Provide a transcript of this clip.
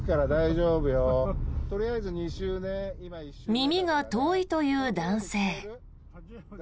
耳が遠いという男性。